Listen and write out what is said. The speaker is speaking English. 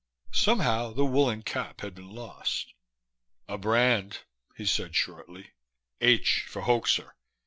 Somehow the woolen cap had been lost. "A brand," he said shortly. "'H' for 'hoaxer.'